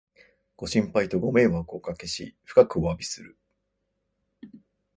ご心配とご迷惑をおかけし、深くおわびする